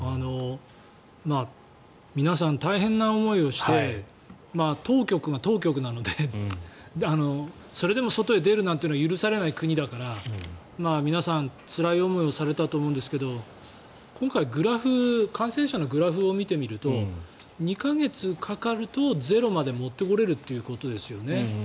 皆さん、大変な思いをして当局が当局なのでそれでも外に出るなんて許されない国だから皆さん、つらい思いをされたと思うんですけど今回、グラフ感染者のグラフを見てみると２か月かかるとゼロまで持ってこれるということですよね。